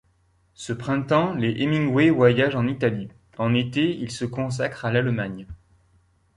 Ce printemps, Les Hemingways voyagent en Italie, en été, ils se consacrent à l'Allemagne.